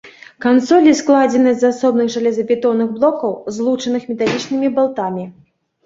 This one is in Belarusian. Кансолі складзеныя з асобных жалезабетонных блокаў, злучаных металічнымі балтамі.